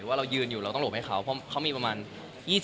ว่าเรายืนอยู่เราต้องหลบให้เขาเพราะเขามีประมาณ๒๐